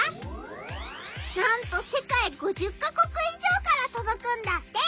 なんと世界５０か国以上からとどくんだって！